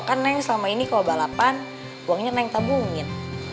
kan neng selama ini kalau balapan uangnya neng tabungin